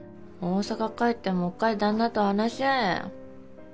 大阪帰ってもっかい旦那と話し合え。